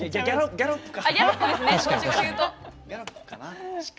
ギャロップか。